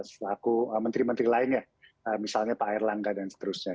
selaku menteri menteri lainnya misalnya pak erlangga dan seterusnya